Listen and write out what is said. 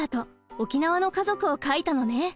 沖縄の家族を書いたのね。